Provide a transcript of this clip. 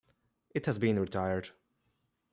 It has been retired.